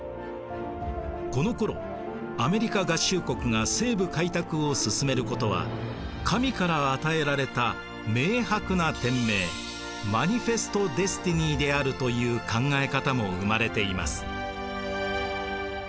このころアメリカ合衆国が西部開拓を進めることは神から与えられた明白な天命マニフェスト・デスティニーであるという考え方も生まれています。